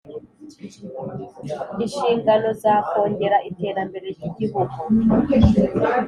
Inshingano zakongera iterambere ry’Igihugu